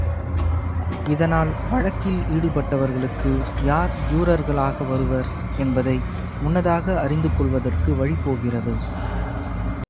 இதனால் வழக்கில் ஈடுபட்டவர்களுக்கு யார் ஜூரர்களாக வருவர் என்பதை முன்னதாக அறிந்து கொள்வதற்கு வழிபோகிறது.